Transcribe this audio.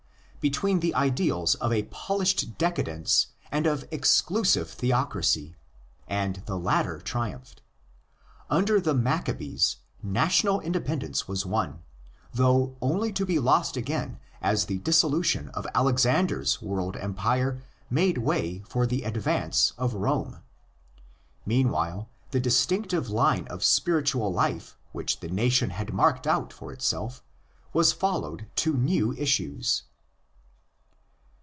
between the ideals of a polished decadence and of exclusive theocracy; and the latter triumphed. Under the Maccabees national independence was won, though only to be lost again as the dissolution of Alexander's world empire made way for the advance of Rome. Meanwhile, the distinctive line of spiritual life which the nation had marked out for itself was followed to new issues.